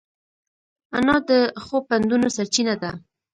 انا د ښو پندونو سرچینه ده